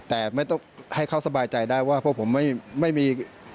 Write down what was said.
แต่ไม่ต้องให้เขาสบายใจได้ว่าพวกผมไม่มี